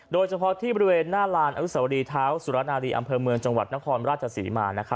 โดยเฉพาะที่บริเวณหน้าลานอนุสวรีเท้าสุรนารีอำเภอเมืองจังหวัดนครราชศรีมา